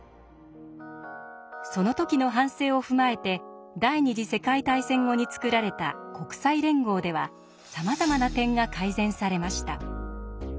その時の反省を踏まえて第二次世界大戦後につくられた国際連合ではさまざまな点が改善されました。